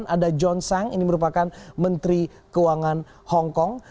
ada john tsang ini merupakan menteri keuangan hong kong